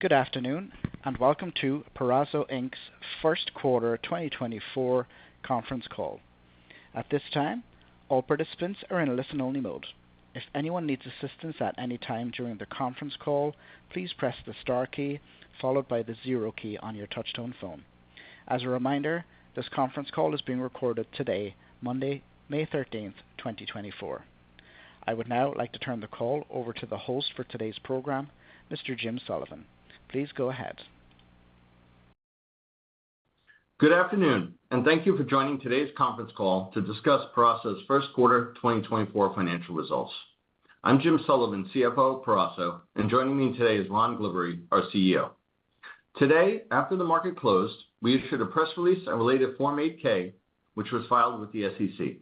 Good afternoon, and welcome to Peraso Inc's first quarter 2024 conference call. At this time, all participants are in a listen-only mode. If anyone needs assistance at any time during the conference call, please press the star key followed by the zero key on your touch-tone phone. As a reminder, this conference call is being recorded today, Monday, May 13th, 2024. I would now like to turn the call over to the host for today's program, Mr. Jim Sullivan. Please go ahead. Good afternoon, and thank you for joining today's conference call to discuss Peraso's first quarter 2024 financial results. I'm Jim Sullivan, CFO of Peraso, and joining me today is Ron Glibbery, our CEO. Today, after the market closed, we issued a press release and related Form 8-K, which was filed with the SEC.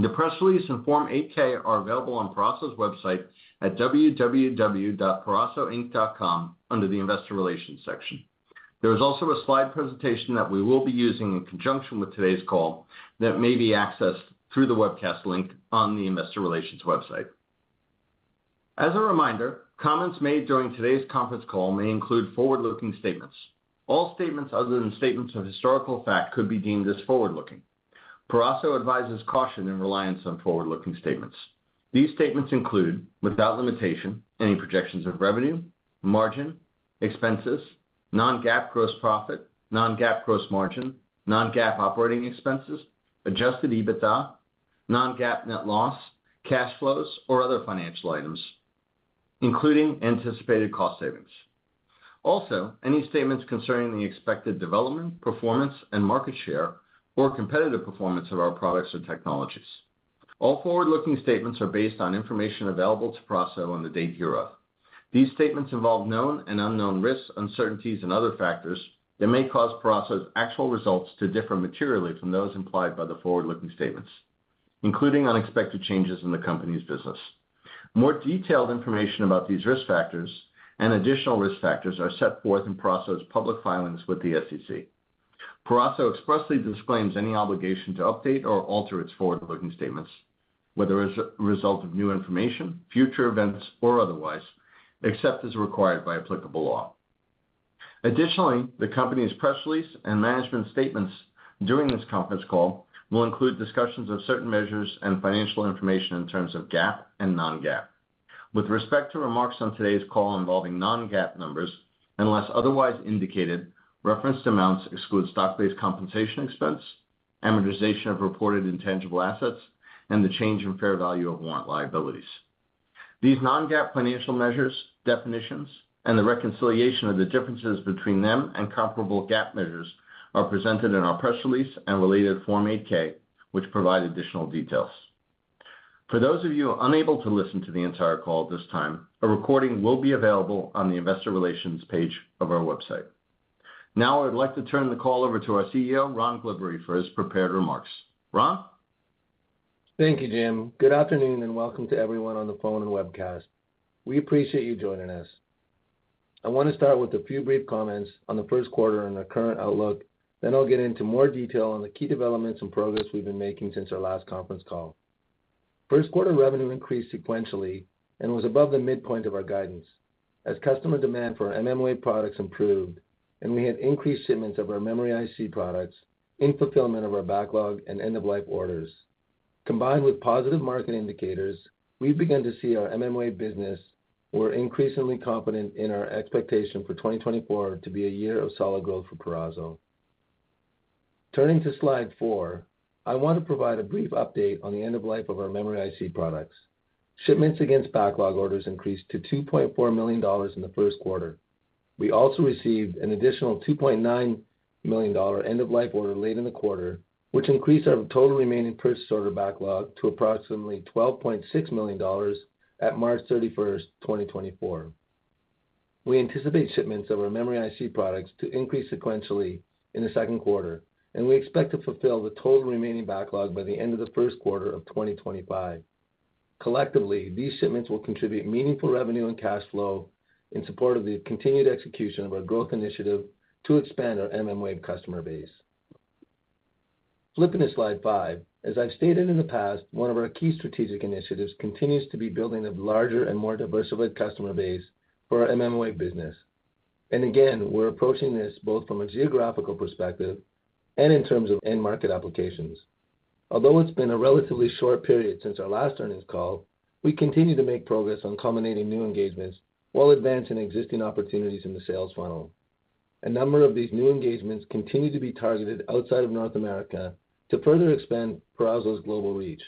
The press release and Form 8-K are available on Peraso's website at www.perasoinc.com under the Investor Relations section. There is also a slide presentation that we will be using in conjunction with today's call that may be accessed through the webcast link on the investor relations website. As a reminder, comments made during today's conference call may include forward-looking statements. All statements other than statements of historical fact could be deemed as forward-looking. Peraso advises caution and reliance on forward-looking statements. These statements include, without limitation, any projections of revenue, margin, expenses, non-GAAP gross profit, non-GAAP gross margin, non-GAAP operating expenses, adjusted EBITDA, non-GAAP net loss, cash flows, or other financial items, including anticipated cost savings. Also, any statements concerning the expected development, performance, and market share or competitive performance of our products or technologies. All forward-looking statements are based on information available to Peraso on the date hereof. These statements involve known and unknown risks, uncertainties, and other factors that may cause Peraso's actual results to differ materially from those implied by the forward-looking statements, including unexpected changes in the company's business. More detailed information about these risk factors and additional risk factors are set forth in Peraso's public filings with the SEC. Peraso expressly disclaims any obligation to update or alter its forward-looking statements, whether as a result of new information, future events, or otherwise, except as required by applicable law. Additionally, the company's press release and management statements during this conference call will include discussions of certain measures and financial information in terms of GAAP and non-GAAP. With respect to remarks on today's call involving non-GAAP numbers, unless otherwise indicated, referenced amounts exclude stock-based compensation expense, amortization of reported intangible assets, and the change in fair value of warrant liabilities. These non-GAAP financial measures, definitions, and the reconciliation of the differences between them and comparable GAAP measures are presented in our press release and related Form 8-K, which provide additional details. For those of you unable to listen to the entire call at this time, a recording will be available on the investor relations page of our website. Now, I'd like to turn the call over to our CEO, Ron Glibbery, for his prepared remarks. Ron? Thank you, Jim. Good afternoon, and welcome to everyone on the phone and webcast. We appreciate you joining us. I want to start with a few brief comments on the first quarter and our current outlook, then I'll get into more detail on the key developments and progress we've been making since our last conference call. First quarter revenue increased sequentially and was above the midpoint of our guidance as customer demand for our mmWave products improved, and we had increased shipments of our memory IC products in fulfillment of our backlog and end-of-life orders. Combined with positive market indicators, we began to see our mmWave business. We're increasingly confident in our expectation for 2024 to be a year of solid growth for Peraso. Turning to slide four, I want to provide a brief update on the end-of-life of our memory IC products. Shipments against backlog orders increased to $2.4 million in the first quarter. We also received an additional $2.9 million end-of-life order late in the quarter, which increased our total remaining purchase order backlog to approximately $12.6 million at March 31st, 2024. We anticipate shipments of our memory IC products to increase sequentially in the second quarter, and we expect to fulfill the total remaining backlog by the end of the first quarter of 2025. Collectively, these shipments will contribute meaningful revenue and cash flow in support of the continued execution of our growth initiative to expand our mmWave customer base. Flipping to slide five, as I've stated in the past, one of our key strategic initiatives continues to be building a larger and more diversified customer base for our mmWave business. And again, we're approaching this both from a geographical perspective and in terms of end-market applications. Although it's been a relatively short period since our last earnings call, we continue to make progress on culminating new engagements while advancing existing opportunities in the sales funnel. A number of these new engagements continue to be targeted outside of North America to further expand Peraso's global reach.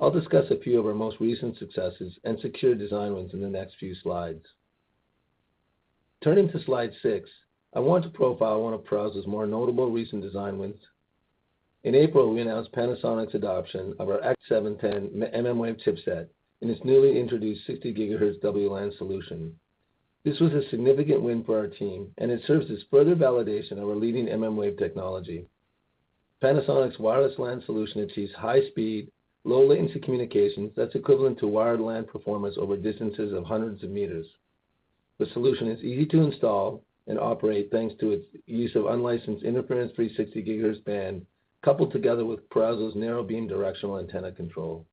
I'll discuss a few of our most recent successes and secure design wins in the next few slides. Turning to slide six, I want to profile one of Peraso's more notable recent design wins. In April, we announced Panasonic's adoption of our X710 mmWave chipset and its newly introduced 60 GHz WLAN solution. This was a significant win for our team, and it serves as further validation of our leading mmWave technology. Panasonic's wireless LAN solution achieves high speed, low latency communications that's equivalent to wired LAN performance over distances of hundreds of meters. The solution is easy to install and operate, thanks to its use of unlicensed interference-free 60 GHz band, coupled together with Peraso's narrow beam directional antenna control.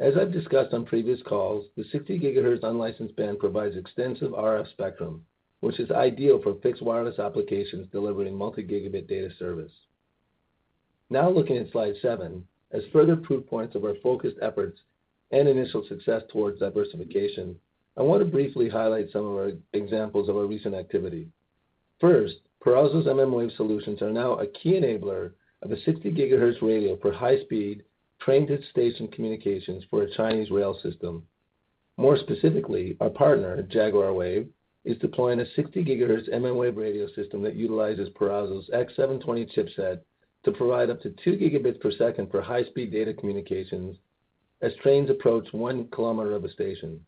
As I've discussed on previous calls, the 60 GHz unlicensed band provides extensive RF spectrum, which is ideal for fixed wireless applications delivering multi-gigabit data service. Now looking at slide seven, as further proof points of our focused efforts and initial success towards diversification, I want to briefly highlight some of our examples of our recent activity. First, Peraso's mmWave solutions are now a key enabler of a 60 GHz radio for high-speed train-to-station communications for a Chinese rail system. More specifically, our partner, Jaguar Wave, is deploying a 60 GHz mmWave radio system that utilizes Peraso's X720 chipset to provide up to 2 Gbps for high-speed data communications as trains approach 1 km of a station.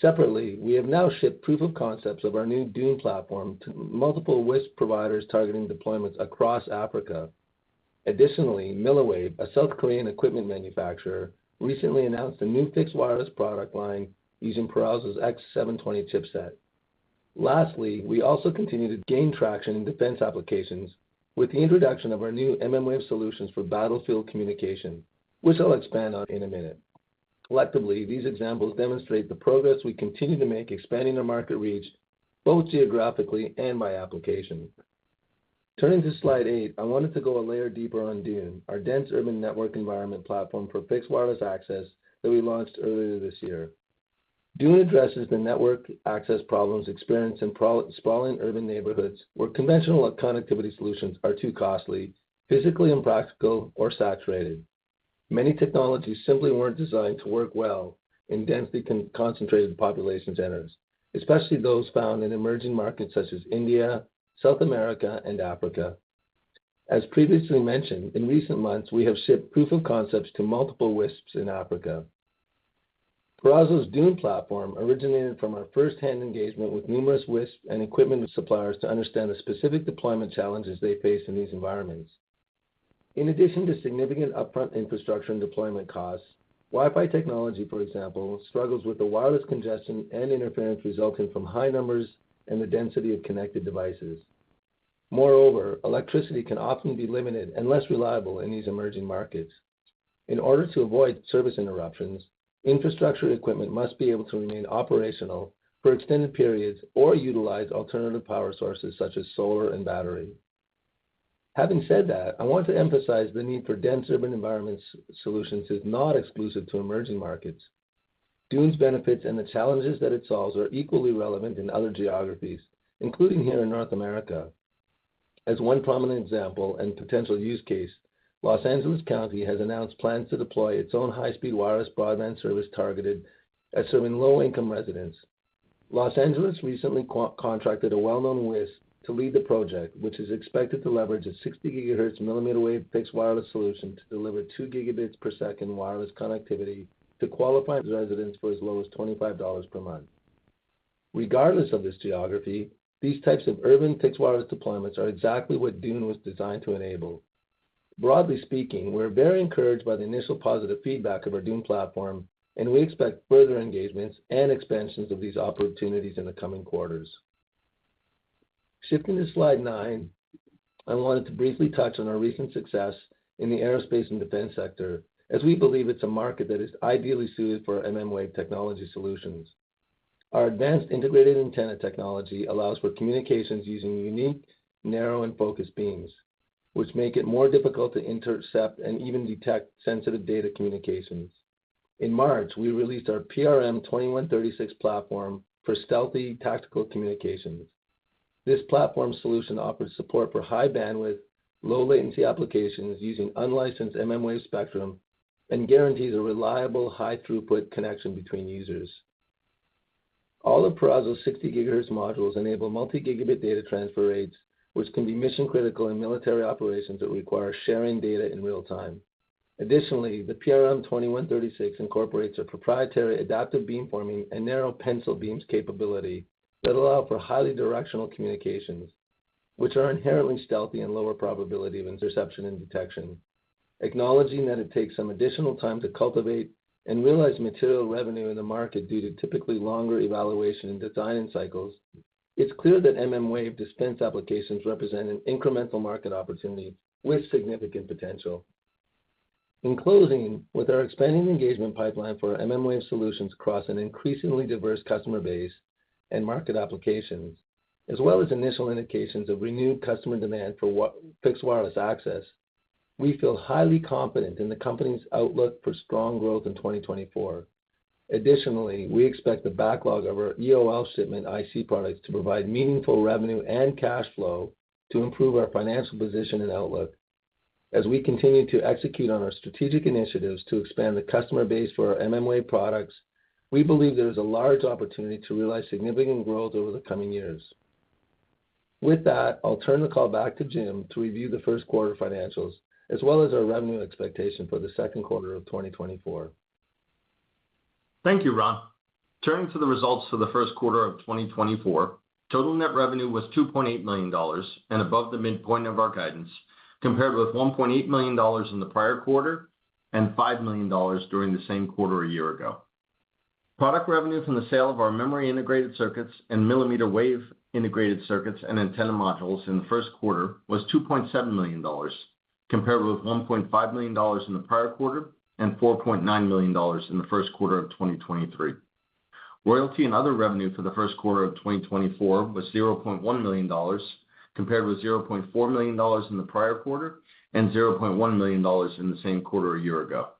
Separately, we have now shipped proof of concepts of our new DUNE platform to multiple WISP providers targeting deployments across Africa. Additionally, Miliwave, a South Korean equipment manufacturer, recently announced a new fixed wireless product line using Peraso's X720 chipset. Lastly, we also continue to gain traction in defense applications with the introduction of our new mmWave solutions for battlefield communication, which I'll expand on in a minute. Collectively, these examples demonstrate the progress we continue to make, expanding our market reach both geographically and by application. Turning to slide eight, I wanted to go a layer deeper on DUNE, our Dense Urban Network Environment platform for fixed wireless access that we launched earlier this year. DUNE addresses the network access problems experienced in sprawling urban neighborhoods, where conventional connectivity solutions are too costly, physically impractical, or saturated. Many technologies simply weren't designed to work well in densely concentrated population centers, especially those found in emerging markets such as India, South America, and Africa. As previously mentioned, in recent months, we have shipped proof of concepts to multiple WISPs in Africa. Peraso's DUNE platform originated from our first-hand engagement with numerous WISP and equipment suppliers to understand the specific deployment challenges they face in these environments. In addition to significant upfront infrastructure and deployment costs, Wi-Fi technology, for example, struggles with the wireless congestion and interference resulting from high numbers and the density of connected devices. Moreover, electricity can often be limited and less reliable in these emerging markets. In order to avoid service interruptions, infrastructure equipment must be able to remain operational for extended periods or utilize alternative power sources, such as solar and battery. Having said that, I want to emphasize the need for dense urban environments solutions is not exclusive to emerging markets. DUNE's benefits and the challenges that it solves are equally relevant in other geographies, including here in North America. As one prominent example and potential use case, Los Angeles County has announced plans to deploy its own high-speed wireless broadband service targeted at serving low-income residents. Los Angeles recently contracted a well-known WISP to lead the project, which is expected to leverage a 60 GHz millimeter wave fixed wireless solution to deliver 2 Gbps wireless connectivity to qualified residents for as low as $25 per month. Regardless of this geography, these types of urban fixed wireless deployments are exactly what DUNE was designed to enable. Broadly speaking, we're very encouraged by the initial positive feedback of our DUNE platform, and we expect further engagements and expansions of these opportunities in the coming quarters. Shifting to slide nine, I wanted to briefly touch on our recent success in the aerospace and defense sector, as we believe it's a market that is ideally suited for mmWave technology solutions. Our advanced integrated antenna technology allows for communications using unique, narrow, and focused beams, which make it more difficult to intercept and even detect sensitive data communications. In March, we released our PRM-2136 platform for stealthy tactical communications. This platform solution offers support for high bandwidth, low latency applications using unlicensed mmWave spectrum and guarantees a reliable, high throughput connection between users. All of Peraso's 60 GHz modules enable multi-gigabit data transfer rates, which can be mission critical in military operations that require sharing data in real time. Additionally, the PRM-2136 incorporates a proprietary adaptive beamforming and narrow pencil beams capability that allow for highly directional communications, which are inherently stealthy and lower probability of interception and detection. Acknowledging that it takes some additional time to cultivate and realize material revenue in the market due to typically longer evaluation and design cycles, it's clear that mmWave defense applications represent an incremental market opportunity with significant potential. In closing, with our expanding engagement pipeline for our mmWave solutions across an increasingly diverse customer base and market applications, as well as initial indications of renewed customer demand for fixed wireless access, we feel highly confident in the company's outlook for strong growth in 2024. Additionally, we expect the backlog of our EOL shipment IC products to provide meaningful revenue and cash flow to improve our financial position and outlook. As we continue to execute on our strategic initiatives to expand the customer base for our mmWave products, we believe there is a large opportunity to realize significant growth over the coming years. With that, I'll turn the call back to Jim to review the first quarter financials, as well as our revenue expectation for the second quarter of 2024. Thank you, Ron. Turning to the results for the first quarter of 2024, total net revenue was $2.8 million and above the midpoint of our guidance, compared with $1.8 million in the prior quarter and $5 million during the same quarter a year ago. Product revenue from the sale of our memory integrated circuits and mmWave integrated circuits and antenna modules in the first quarter was $2.7 million, compared with $1.5 million in the prior quarter and $4.9 million in the first quarter of 2023. Royalty and other revenue for the first quarter of 2024 was $0.1 million, compared with $0.4 million in the prior quarter and $0.1 million in the same quarter a year ago.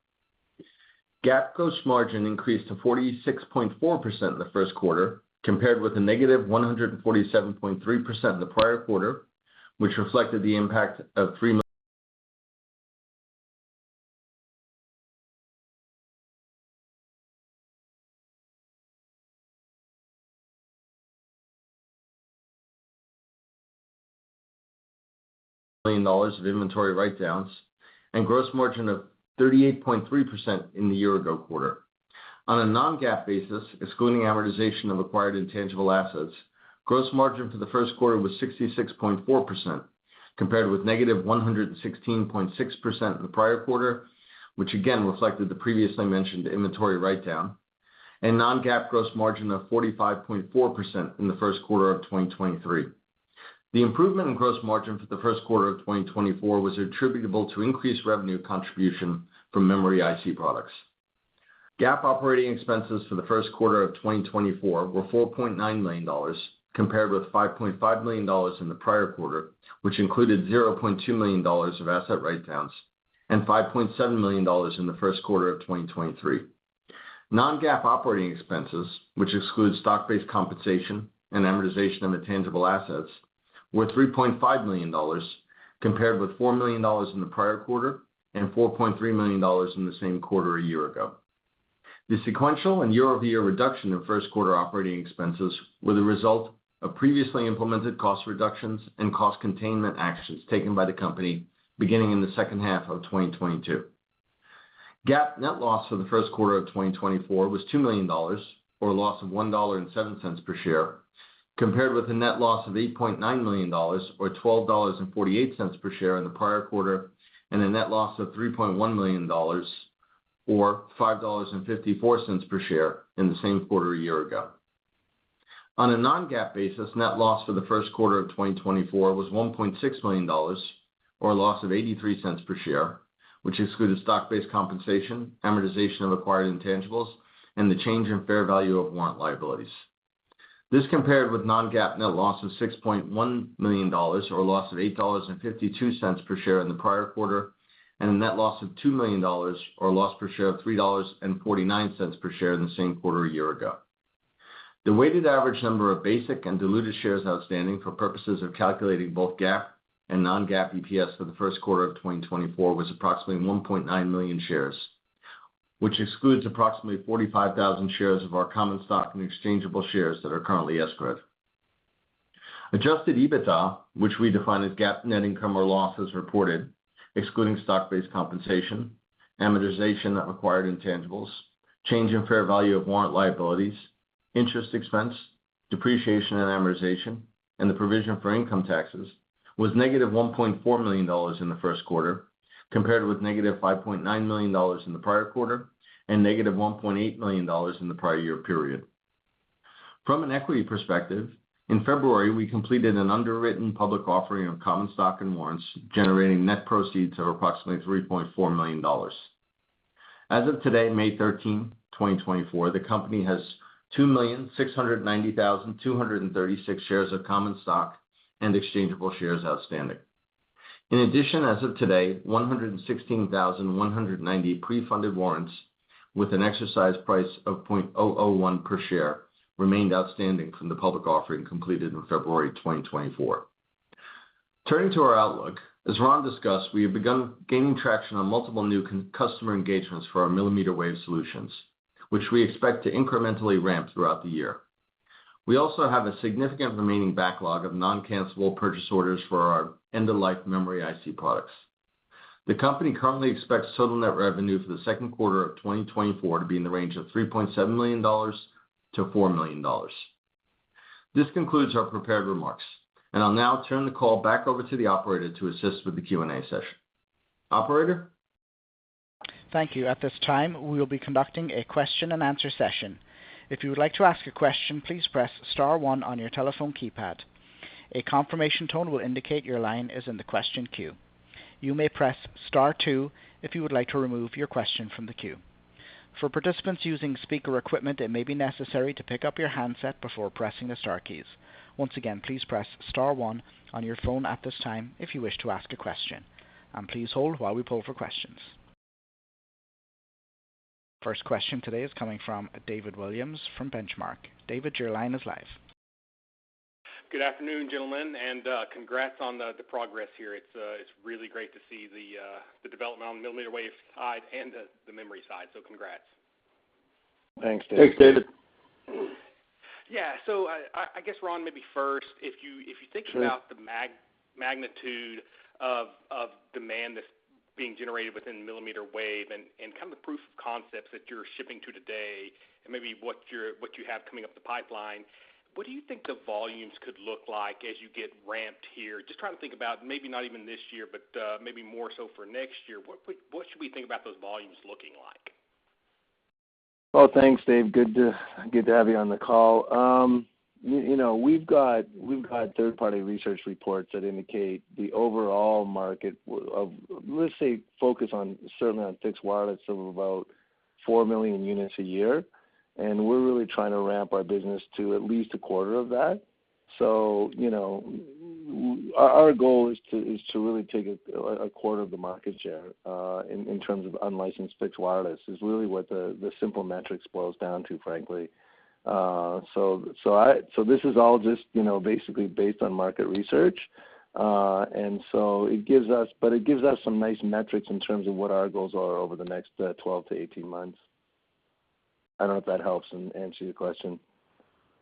GAAP gross margin increased to 46.4% in the first quarter, compared with a -147.3% in the prior quarter, which reflected the impact of $3 million of inventory write-downs and gross margin of 38.3% in the year ago quarter. On a non-GAAP basis, excluding amortization of acquired intangible assets, gross margin for the first quarter was 66.4%, compared with -116.6% in the prior quarter, which again reflected the previously mentioned inventory write-down, and non-GAAP gross margin of 45.4% in the first quarter of 2023. The improvement in gross margin for the first quarter of 2024 was attributable to increased revenue contribution from memory IC products. GAAP operating expenses for the first quarter of 2024 were $4.9 million, compared with $5.5 million in the prior quarter, which included $0.2 million of asset write-downs and $5.7 million in the first quarter of 2023. Non-GAAP operating expenses, which excludes stock-based compensation and amortization of intangible assets, were $3.5 million, compared with $4 million in the prior quarter and $4.3 million in the same quarter a year ago. The sequential and year-over-year reduction in first quarter operating expenses were the result of previously implemented cost reductions and cost containment actions taken by the company beginning in the second half of 2022. GAAP net loss for the first quarter of 2024 was $2 million, or a loss of $1.07 per share, compared with a net loss of $8.9 million, or $12.48 per share in the prior quarter, and a net loss of $3.1 million, or $5.54 per share in the same quarter a year ago. On a non-GAAP basis, net loss for the first quarter of 2024 was $1.6 million, or a loss of $0.83 per share, which excluded stock-based compensation, amortization of acquired intangibles, and the change in fair value of warrant liabilities. This compared with non-GAAP net loss of $6.1 million, or a loss of $8.52 per share in the prior quarter, and a net loss of $2 million, or a loss per share of $3.49 per share in the same quarter a year ago. The weighted average number of basic and diluted shares outstanding for purposes of calculating both GAAP and non-GAAP EPS for the first quarter of 2024 was approximately 1.9 million shares, which excludes approximately 45,000 shares of our common stock and exchangeable shares that are currently escrowed. Adjusted EBITDA, which we define as GAAP net income or loss, as reported, excluding stock-based compensation, amortization of acquired intangibles, change in fair value of warrant liabilities, interest expense, depreciation and amortization, and the provision for income taxes, was -$1.4 million in the first quarter, compared with -$5.9 million in the prior quarter and -$1.8 million in the prior year period. From an equity perspective, in February, we completed an underwritten public offering of common stock and warrants, generating net proceeds of approximately $3.4 million. As of today, May 13, 2024, the company has 2,690,236 shares of common stock and exchangeable shares outstanding. In addition, as of today, 116,190 pre-funded warrants with an exercise price of $0.001 per share remained outstanding from the public offering completed in February 2024. Turning to our outlook, as Ron discussed, we have begun gaining traction on multiple new customer engagements for our mmWave solutions, which we expect to incrementally ramp throughout the year. We also have a significant remaining backlog of non-cancellable purchase orders for our end-of-life memory IC products. The company currently expects total net revenue for the second quarter of 2024 to be in the range of $3.7 million-$4 million. This concludes our prepared remarks, and I'll now turn the call back over to the operator to assist with the Q&A session. Operator? Thank you. At this time, we will be conducting a question-and-answer session. If you would like to ask a question, please press star one on your telephone keypad. A confirmation tone will indicate your line is in the question queue. You may press star two if you would like to remove your question from the queue. For participants using speaker equipment, it may be necessary to pick up your handset before pressing the star keys. Once again, please press star one on your phone at this time if you wish to ask a question, and please hold while we pull for questions. First question today is coming from David Williams from Benchmark. David, your line is live. Good afternoon, gentlemen, and congrats on the progress here. It's really great to see the development on the mmWave side and the memory side. So congrats. Thanks, David. Thanks, David. Yeah. So I guess, Ron, maybe first, if you think about the magnitude of demand that's being generated within mmWave and kind of the proof of concepts that you're shipping today, and maybe what you have coming up the pipeline, what do you think the volumes could look like as you get ramped here? Just trying to think about maybe not even this year, but maybe more so for next year. What should we think about those volumes looking like?... Well, thanks, Dave. Good to have you on the call. You know, we've got third-party research reports that indicate the overall market of, let's say, focus on certainly on fixed wireless of about 4 million units a year, and we're really trying to ramp our business to at least 1/4 of that. So, you know, our goal is to really take 1/4 of the market share in terms of unlicensed fixed wireless. It is really what the simple metrics boils down to, frankly. So this is all just, you know, basically based on market research. And so it gives us some nice metrics in terms of what our goals are over the next 12-18 months. I don't know if that helps and answer your question.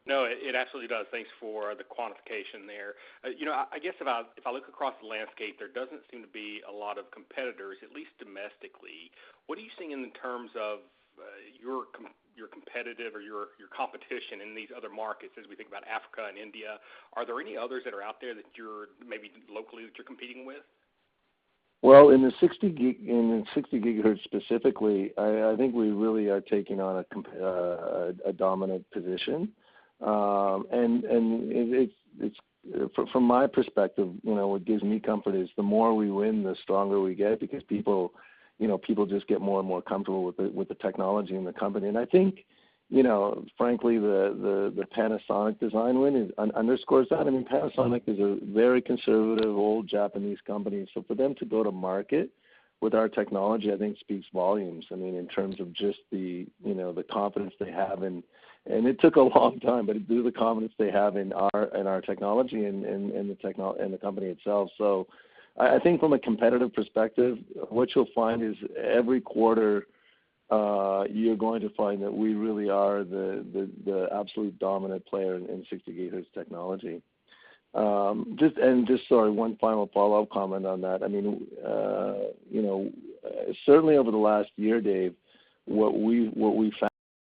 No, it absolutely does. Thanks for the quantification there. You know, I guess if I look across the landscape, there doesn't seem to be a lot of competitors, at least domestically. What are you seeing in terms of your competitive or your, your competition in these other markets as we think about Africa and India? Are there any others that are out there that you're maybe locally, that you're competing with? Well, in the 60 GHz, in the 60 GHz specifically, I think we really are taking on a dominant position. And it's from my perspective, you know, what gives me comfort is the more we win, the stronger we get because people, you know, people just get more and more comfortable with the technology and the company. And I think, you know, frankly, the Panasonic design win underscores that. I mean, Panasonic is a very conservative, old Japanese company, so for them to go to market with our technology, I think speaks volumes. I mean, in terms of just the, you know, the confidence they have in, and it took a long time, but due to the confidence they have in our technology and the company itself. So I think from a competitive perspective, what you'll find is every quarter, you're going to find that we really are the absolute dominant player in 60 GHz technology. Just, sorry, one final follow-up comment on that. I mean, you know, certainly over the last year, Dave, what we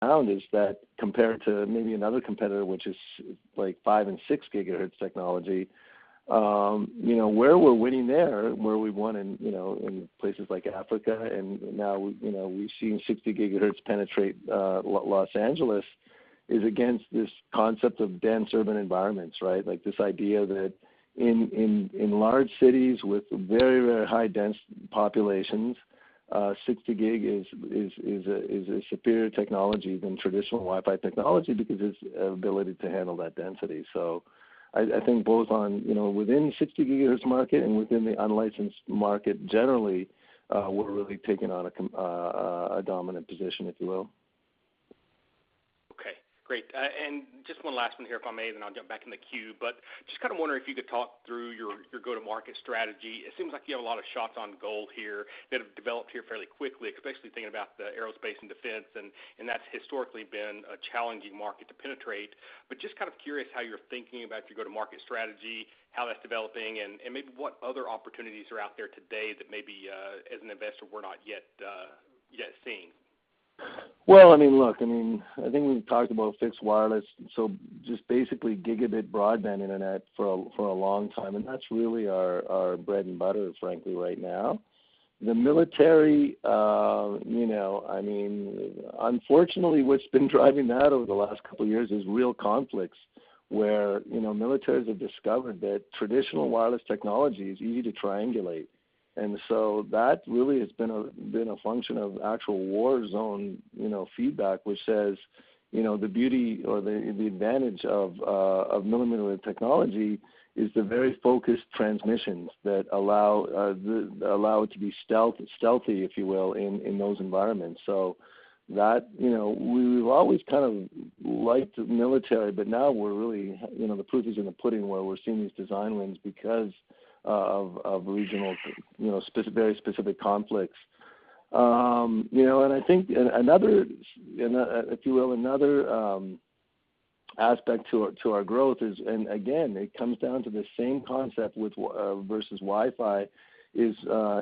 found is that compared to maybe another competitor, which is like 5 GHz and 6 GHz technology, you know, where we're winning there, where we won in, you know, in places like Africa, and now, you know, we've seen 60 GHz penetrate Los Angeles is against this concept of dense urban environments, right? Like this idea that in large cities with very, very high dense populations, 60 GHz is a superior technology than traditional Wi-Fi technology because its ability to handle that density. So I think both on, you know, within the 60 GHz market and within the unlicensed market generally, we're really taking on a dominant position, if you will. Okay, great. And just one last one here, if I may, then I'll jump back in the queue. But just kind of wondering if you could talk through your, your go-to-market strategy. It seems like you have a lot of shots on goal here that have developed here fairly quickly, especially thinking about the aerospace and defense, and, and that's historically been a challenging market to penetrate. But just kind of curious how you're thinking about your go-to-market strategy, how that's developing, and, and maybe what other opportunities are out there today that maybe, as an investor, we're not yet, yet seeing. Well, I mean, look, I mean, I think we've talked about fixed wireless, so just basically gigabit broadband internet for a, for a long time, and that's really our, our bread and butter, frankly, right now. The military, you know, I mean, unfortunately, what's been driving that over the last couple of years is real conflicts, where, you know, militaries have discovered that traditional wireless technology is easy to triangulate. And so that really has been a function of actual war zone, you know, feedback, which says, you know, the beauty or the, the advantage of mmWave technology is the very focused transmissions that allow it to be stealthy, if you will, in those environments. So that, you know, we've always kind of liked military, but now we're really, you know, the proof is in the pudding, where we're seeing these design wins because of, of regional, you know, very specific conflicts. You know, and I think another, and, if you will, another aspect to our growth is, and again, it comes down to the same concept with versus Wi-Fi, is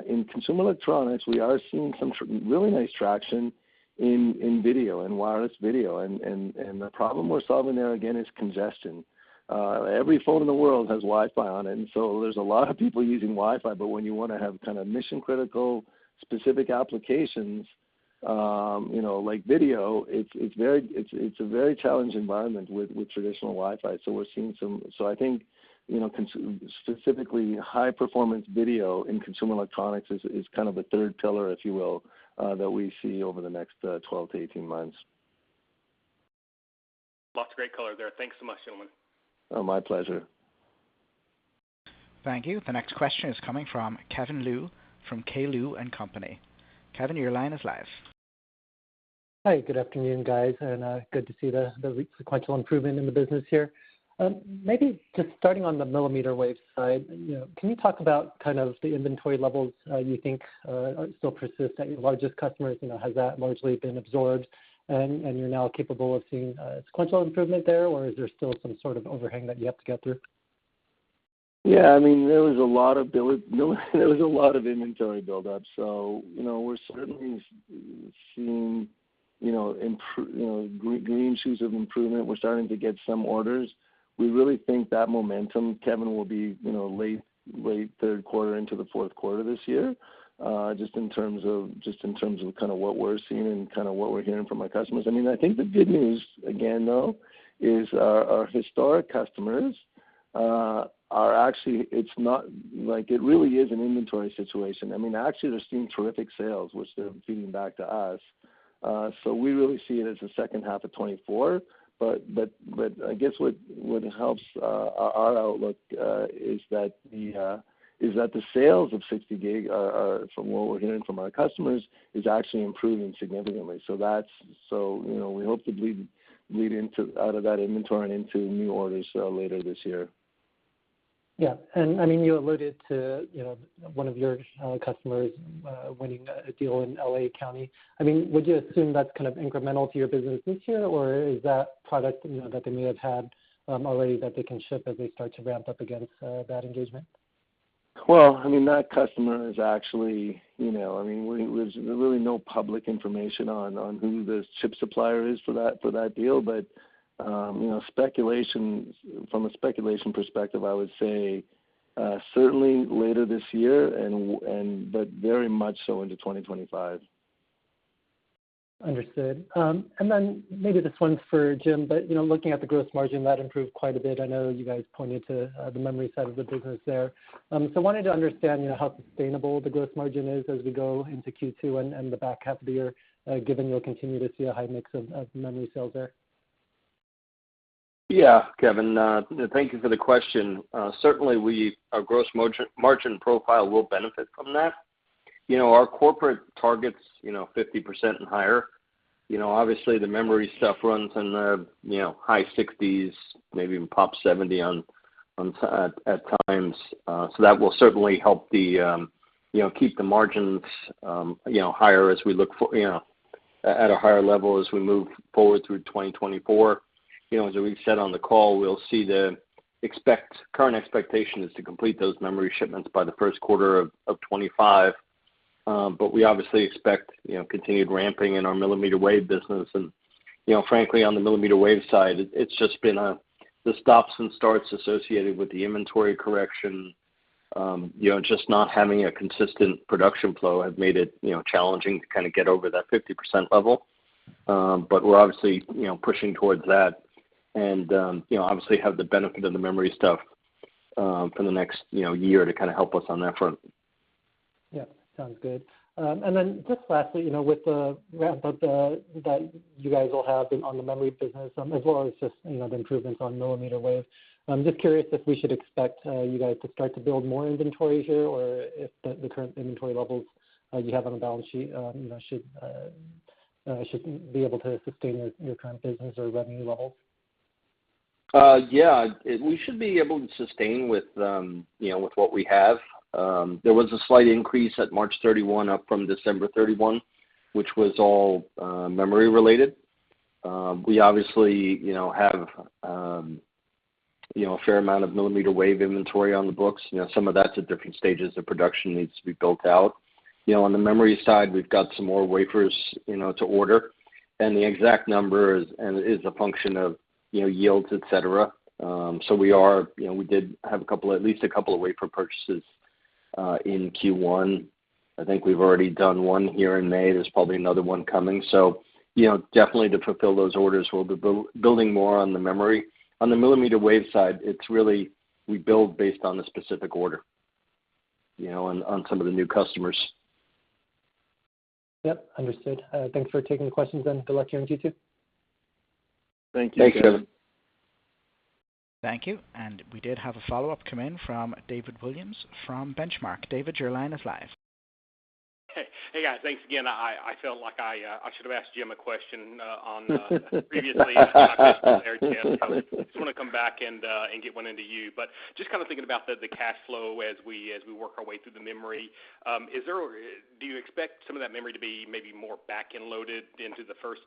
in consumer electronics, we are seeing some really nice traction in, in video, in wireless video. And the problem we're solving there, again, is congestion. Every phone in the world has Wi-Fi on it, and so there's a lot of people using Wi-Fi, but when you wanna have kind of mission-critical, specific applications, you know, like video, it's a very challenged environment with traditional Wi-Fi. So I think, you know, specifically, high-performance video in consumer electronics is kind of a third pillar, if you will, that we see over the next 12-18 months. Lots of great color there. Thanks so much, gentlemen. Oh, my pleasure. Thank you. The next question is coming from Kevin Liu, from K. Liu & Company. Kevin, your line is live. Hi, good afternoon, guys, and good to see the sequential improvement in the business here. Maybe just starting on the mmWave side, you know, can you talk about kind of the inventory levels you think still persist at your largest customers? You know, has that largely been absorbed and you're now capable of seeing sequential improvement there, or is there still some sort of overhang that you have to get through? Yeah, I mean, there was a lot of build, there was a lot of inventory buildup, so, you know, we're certainly seeing, you know, green shoots of improvement. We're starting to get some orders. We really think that momentum, Kevin, will be, you know, late, late third quarter into the fourth quarter this year, just in terms of, just in terms of kind of what we're seeing and kind of what we're hearing from our customers. I mean, I think the good news again, though, is our historic customers are actually, it's not, like, it really is an inventory situation. I mean, actually, they're seeing terrific sales, which they're feeding back to us. So we really see it as the second half of 2024. I guess what helps our outlook is that the sales of 60 GHz from what we're hearing from our customers is actually improving significantly. So, you know, we hope to lead out of that inventory and into new orders later this year. Yeah. And, I mean, you alluded to, you know, one of your customers winning a deal in L.A. County. I mean, would you assume that's kind of incremental to your business this year, or is that product, you know, that they may have had already that they can ship as they start to ramp up against that engagement? Well, I mean, that customer is actually, you know, I mean, there's really no public information on who the chip supplier is for that deal. But, you know, speculation from a speculation perspective, I would say, certainly later this year and, but very much so into 2025. Understood. And then maybe this one's for Jim, but, you know, looking at the gross margin, that improved quite a bit. I know you guys pointed to, the memory side of the business there. So wanted to understand, you know, how sustainable the gross margin is as we go into Q2 and the back half of the year, given you'll continue to see a high mix of memory sales there. Yeah, Kevin, thank you for the question. Certainly our gross margin profile will benefit from that. You know, our corporate target is, you know, 50% and higher. You know, obviously, the memory stuff runs in the, you know, high 60s%, maybe even pops 70% at times. So that will certainly help keep the margins, you know, higher as we look at a higher level as we move forward through 2024. You know, as we've said on the call, the current expectation is to complete those memory shipments by the first quarter of 2025. But we obviously expect, you know, continued ramping in our mmWave business. You know, frankly, on the mmWave side, it's just been the stops and starts associated with the inventory correction, you know, just not having a consistent production flow has made it, you know, challenging to kind of get over that 50% level. But we're obviously, you know, pushing towards that and, you know, obviously have the benefit of the memory stuff, for the next, you know, year to kind of help us on that front. Yeah. Sounds good. And then just lastly, you know, with the ramp up that you guys will have on the memory business, as well as just, you know, the improvements on mmWave, I'm just curious if we should expect you guys to start to build more inventory here, or if the current inventory levels you have on the balance sheet, you know, should be able to sustain your current business or revenue levels? Yeah, we should be able to sustain with, you know, with what we have. There was a slight increase at March 31, up from December 31, which was all memory related. We obviously, you know, have, you know, a fair amount of mmWave inventory on the books. You know, some of that's at different stages of production, needs to be built out. You know, on the memory side, we've got some more wafers, you know, to order, and the exact number is, and is a function of, you know, yields, et cetera. So we are, you know, we did have a couple, at least a couple of wafer purchases, in Q1. I think we've already done one here in May. There's probably another one coming. So, you know, definitely to fulfill those orders, we'll be building more on the memory. On the mmWave side, it's really we build based on the specific order, you know, on some of the new customers. Yep. Understood. Thanks for taking the questions, and good luck to you in Q2. Thank you. Thanks, Kevin. Thank you. We did have a follow-up come in from David Williams from Benchmark. David, your line is live. Hey, guys, thanks again. I feel like I should have asked Jim a question on previously on Airship. Just wanna come back and get one into you. But just kind of thinking about the cash flow as we work our way through the memory, is there, do you expect some of that memory to be maybe more back-end loaded into the first,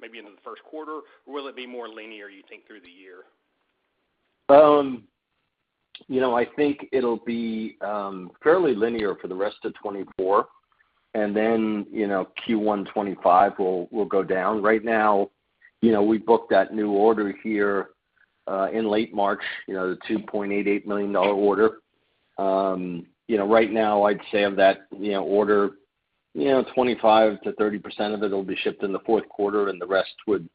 maybe into the first quarter? Or will it be more linear, you think, through the year? You know, I think it'll be fairly linear for the rest of 2024, and then, you know, Q1 2025 will go down. Right now, you know, we booked that new order here in late March, you know, the $2.88 million order. You know, right now, I'd say of that, you know, order, you know, 25%-30% of it will be shipped in the fourth quarter, and the rest would,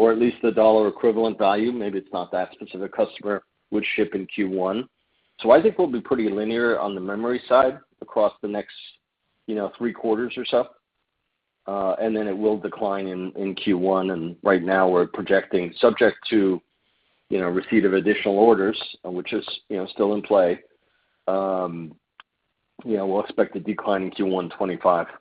or at least the dollar equivalent value, maybe it's not that specific customer, would ship in Q1. So I think we'll be pretty linear on the memory side across the next, you know, three quarters or so. And then it will decline in Q1, and right now we're projecting, subject to, you know, receipt of additional orders, which is, you know, still in play, you know, we'll expect a decline in Q1 2025. Okay.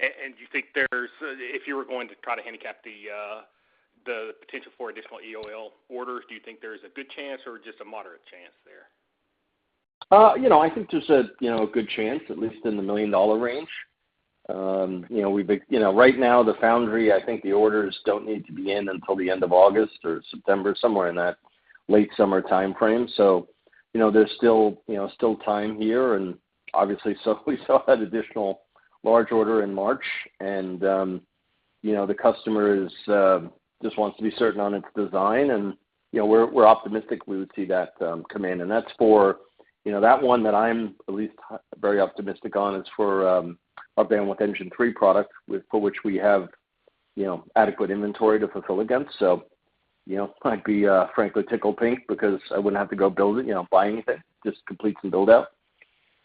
And you think there's, if you were going to try to handicap the potential for additional EOL orders, do you think there is a good chance or just a moderate chance there? You know, I think there's a good chance, at least in the million-dollar range. You know, we've, you know, right now, the foundry, I think the orders don't need to begin until the end of August or September, somewhere in that late summer timeframe. So, you know, there's still, you know, still time here, and obviously, so we saw that additional large order in March, and, you know, the customer is just wants to be certain on its design. And, you know, we're, we're optimistic we would see that come in. And that's for, you know, that one that I'm at least very optimistic on is for.... Bandwidth Engine 3 product, with for which we have, you know, adequate inventory to fulfill against. So, you know, I'd be, frankly, tickled pink because I wouldn't have to go build it, you know, buy anything, just complete some build out.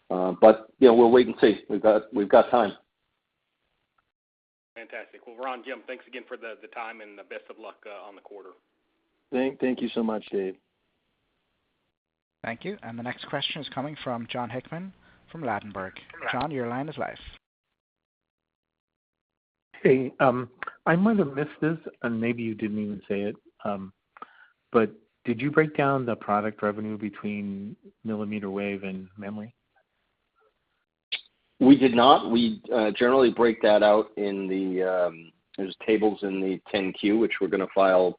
But, you know, we'll wait and see. We've got, we've got time. Fantastic. Well, Ron, Jim, thanks again for the time, and best of luck on the quarter. Thank you so much, Dave. Thank you. The next question is coming from Jon Hickman from Ladenburg. Jon, your line is live. Hey, I might have missed this, and maybe you didn't even say it, but did you break down the product revenue between mmWave and memory? We did not. We generally break that out in the, there's tables in the 10-Q, which we're gonna file,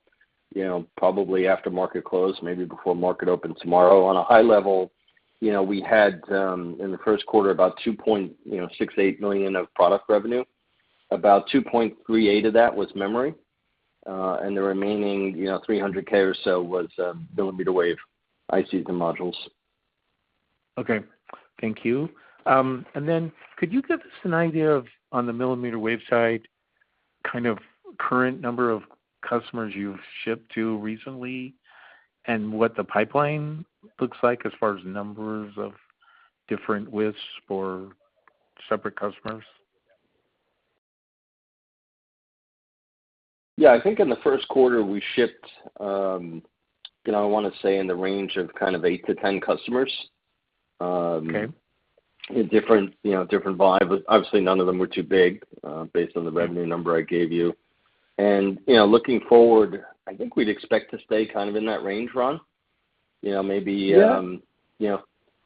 you know, probably after market close, maybe before market open tomorrow. On a high level, you know, we had in the first quarter, about $2.68 million of product revenue. About $2.38 of that was memory, and the remaining, you know, $300,000 or so was mmWave ICs and modules. Okay. Thank you. And then could you give us an idea of, on the mmWave side, kind of current number of customers you've shipped to recently, and what the pipeline looks like as far as numbers of different widths for separate customers? Yeah, I think in the first quarter, we shipped, you know, I wanna say in the range of kind of eight to 10 customers. Okay. In different, you know, different volumes. Obviously, none of them were too big based on the revenue number I gave you. You know, looking forward, I think we'd expect to stay kind of in that range, Ron. You know, maybe. Yeah.... You know,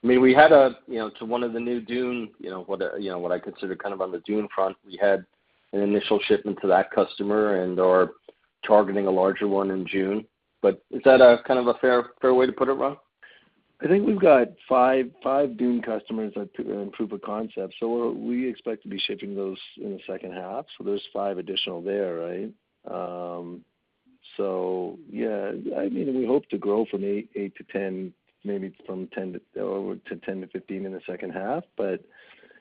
I mean, we had a, you know, to one of the new DUNE, you know, what, you know, what I consider kind of on the DUNE front, we had an initial shipment to that customer, and are targeting a larger one in June. But is that a kind of a fair, fair way to put it, Ron? I think we've got five DUNE customers in proof of concept, so we expect to be shipping those in the second half. So there's five additional there, right? So yeah, I mean, we hope to grow from eight to 10, maybe from 10 to over to 10-15 in the second half. But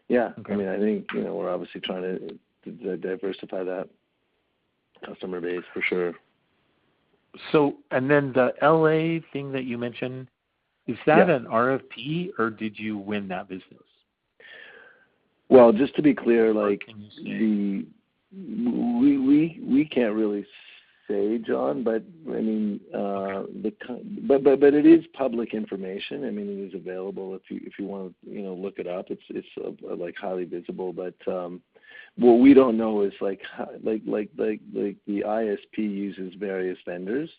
yeah- Okay.... I mean, I think, you know, we're obviously trying to diversify that customer base for sure. So and then the L.A. thing that you mentioned- Yeah.... Is that an RFP, or did you win that business? Well, just to be clear, like, we can't really say, Jon, but I mean, it is public information. I mean, it is available if you, if you want to, you know, look it up. It's like highly visible. But, what we don't know is, like, how the ISP uses various vendors,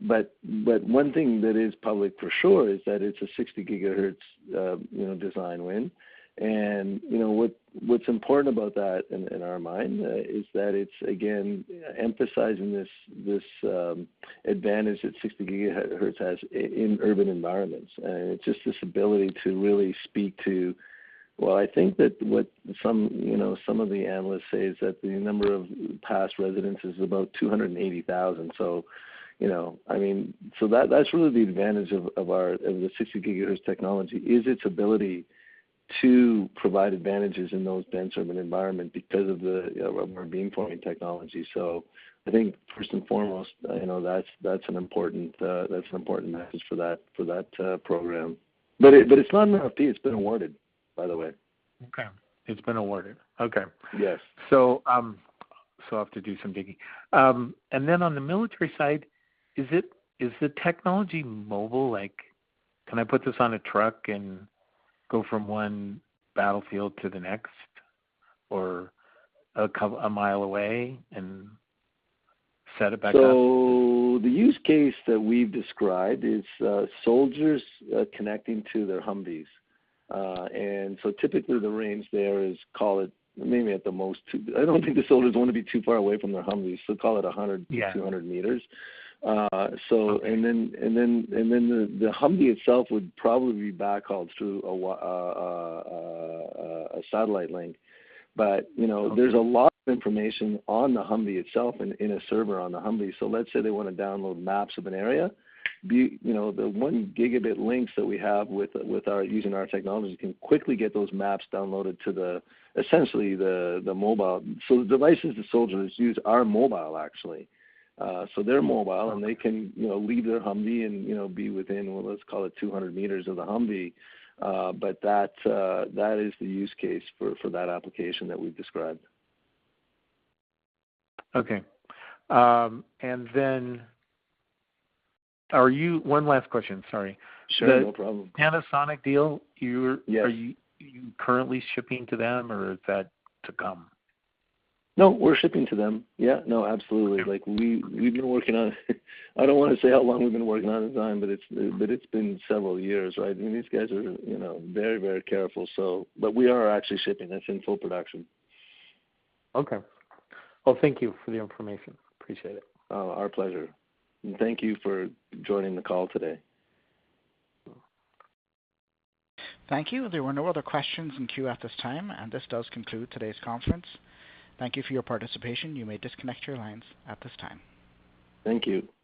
but one thing that is public for sure is that it's a 60 GHz, you know, design win. And, you know, what's important about that in our mind is that it's again emphasizing this advantage that 60 GHz has in urban environments. It's just this ability to really speak to... Well, I think that what some, you know, some of the analysts say is that the number of passed residents is about 280,000. So, you know, I mean, so that, that's really the advantage of, of our, of the 60 GHz technology, is its ability to provide advantages in those dense urban environment because of the, you know, beamforming technology. So I think first and foremost, you know, that's, that's an important, that's an important message for that, for that program. But it, but it's not an RFP. It's been awarded, by the way. Okay. It's been awarded. Okay. Yes. So, I'll have to do some digging. And then on the military side, is the technology mobile? Like, can I put this on a truck and go from one battlefield to the next, or a mile away and set it back up? So the use case that we've described is soldiers connecting to their Humvees. Typically, the range there is, call it, maybe at the most, 2... I don't think the soldiers want to be too far away from their Humvees, so call it 100- Yeah.... 200 m. Okay.... And then the Humvee itself would probably be backhauled through a satellite link. But, you know- Okay.... There's a lot of information on the Humvee itself and in a server on the Humvee. So let's say they want to download maps of an area, be, you know, the one gigabit links that we have with, with our-- using our technology, can quickly get those maps downloaded to the, essentially, the, the mobile. So the devices the soldiers use are mobile, actually. So they're mobile, and they can, you know, leave their Humvee and, you know, be within, well, let's call it 200 m of the Humvee. But that's, that is the use case for, for that application that we've described. Okay. And then are you...? One last question. Sorry. Sure, no problem. The Panasonic deal. Yes.... Are you currently shipping to them, or is that to come? No, we're shipping to them. Yeah, no, absolutely. Like, we, we've been working on it, I don't want to say how long we've been working on the design, but it's, but it's been several years, right? I mean, these guys are, you know, very, very careful, so... But we are actually shipping. It's in full production. Okay. Well, thank you for the information. Appreciate it. Oh, our pleasure. Thank you for joining the call today. Thank you. There were no other questions in queue at this time, and this does conclude today's conference. Thank you for your participation. You may disconnect your lines at this time. Thank you.